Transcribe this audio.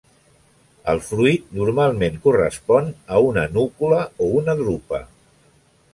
El fruit normalment correspon a una núcula o una drupa.